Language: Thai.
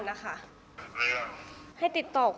คุณพ่อได้จดหมายมาที่บ้าน